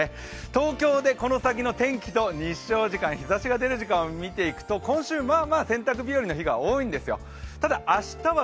東京でこの先の天気と日ざしの出る時間を見ていくと、今週まぁまぁ洗濯びよりの日が多くなるんですよ